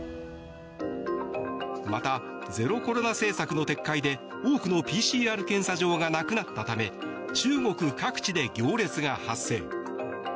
また、ゼロコロナ政策の撤回で多くのＰＣＲ検査場がなくなったため中国各地で行列が発生。